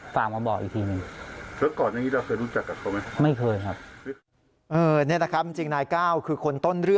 ประมาณ๕นาทีครับใช่ครับ